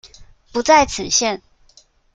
不在此限